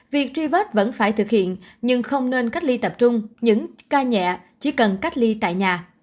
việc truy vết vẫn phải thực hiện nhưng không nên cách ly tập trung những ca nhẹ chỉ cần cách ly tại nhà